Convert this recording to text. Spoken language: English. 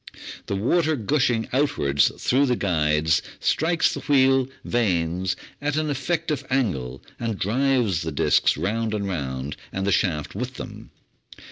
The water gushing outwards through the guides strikes the wheel vanes at an effective angle and drives the disks round and round, and the shaft with them.